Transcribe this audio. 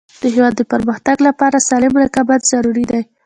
د هیواد د پرمختګ لپاره سالم رقابت ضروري دی.